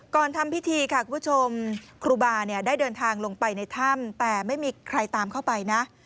ก่อนทำพิธีครูบาได้เดินทางลงไปในถ้ำแต่ไม่มีใครตามเข้าไปนะ